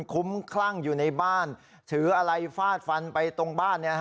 คุ้มคลั่งอยู่ในบ้านถืออะไรฟาดฟันไปตรงบ้าน